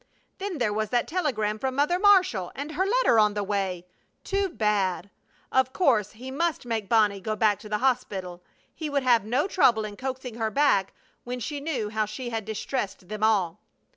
Then there was that telegram from Mother Marshall! And her letter on the way! Too bad! Of course he must make Bonnie go back to the hospital. He would have no trouble in coaxing her back when she knew how she had distressed them all.